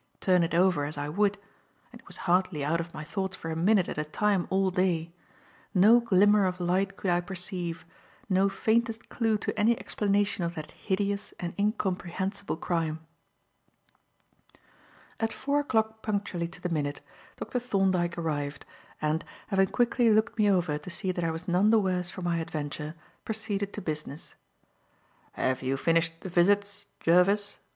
Turn it over as I would and it was hardly out of my thoughts for a minute at a time all day no glimmer of light could I perceive, no faintest clue to any explanation of that hideous and incomprehensible crime. At four o'clock punctually to the minute, Dr. Thorndyke arrived, and, having quickly looked me over to see that I was none the worse for my adventure, proceeded to business. "Have you finished the visits, Jervis?"